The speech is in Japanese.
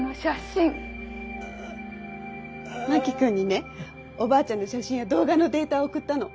真木君にねおばあちゃんの写真や動画のデータを送ったの。